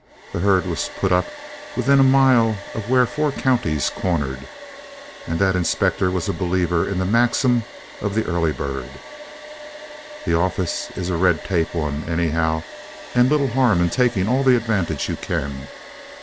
The herd was put up within a mile of where four counties cornered, and that inspector was a believer in the maxim of the early bird. The office is a red tape one, anyhow, and little harm in taking all the advantage you can.